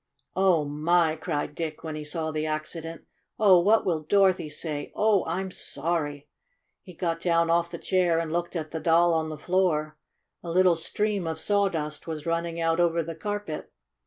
"Oh, my!" cried Dick, when he saw the accident. "Oh, what will Dorothy say? Oh, I'm sorry!" He got down off the chair and looked at the Doll on the floor. A little stream of sawdust was running out over the carpet.